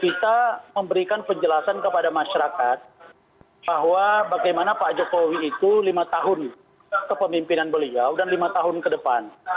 kita memberikan penjelasan kepada masyarakat bahwa bagaimana pak jokowi itu lima tahun kepemimpinan beliau dan lima tahun ke depan